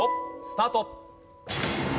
スタート。